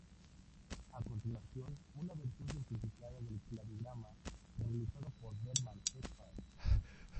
A continuación una versión simplificada del cladograma realizado por Berman "et al.